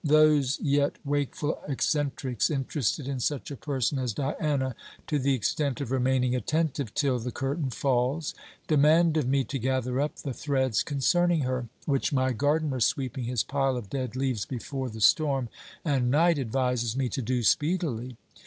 Those yet wakeful eccentrics interested in such a person as Diana, to the extent of remaining attentive till the curtain falls, demand of me to gather up the threads concerning her: which my gardener sweeping his pile of dead leaves before the storm and night, advises me to do speedily.